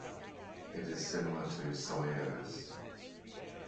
It is similar to Soleares.